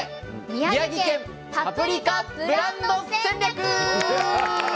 宮城県パプリカブランド戦略」。